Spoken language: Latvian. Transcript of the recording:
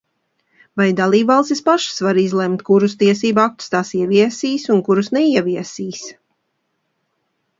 Vai dalībvalstis pašas var izlemt, kurus tiesību aktus tās ieviesīs un, kurus neieviesīs?